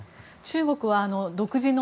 中国は独自の、